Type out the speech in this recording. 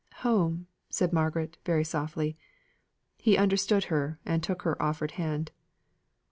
"Home?" said Margaret very softly. He understood her, and took her offered hand.